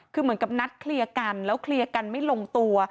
คือเหมือนกับนัดเคลียร์กันแล้วเคลียร์กันไม่ลงตัว